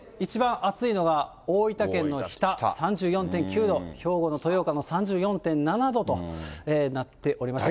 そして、一番暑いのが、大分県の日田３４．９度、兵庫の豊岡も３４．７度となっておりまして。